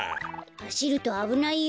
はしるとあぶないよ。